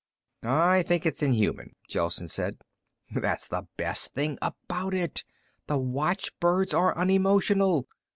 "I think it's inhuman," Gelsen said. "That's the best thing about it. The watchbirds are unemotional.